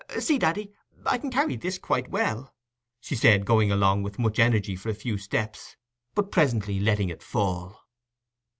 "See, daddy, I can carry this quite well," she said, going along with much energy for a few steps, but presently letting it fall.